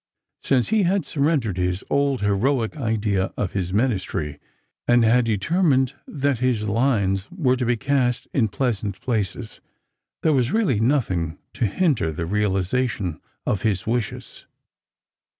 Since he had surrendered his old heroic idea of his ministry, and had deter mined that his hues were to be cast in pleasant places, there was really nothmg to hinder the realisation of his wishes.